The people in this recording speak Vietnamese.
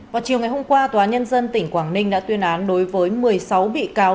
vào chiều ngày hôm qua tòa nhân dân tỉnh quảng ninh đã tuyên án đối với một mươi sáu bị cáo